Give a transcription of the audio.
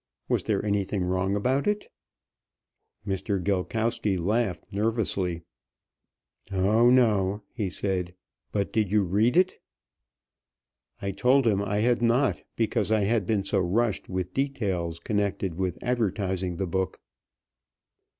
"Was there anything wrong about it?" Mr. Gilkowsky laughed nervously. "Oh, no!" he said. "But did you read it?" I told him I had not, because I had been so rushed with details connected with advertising the book.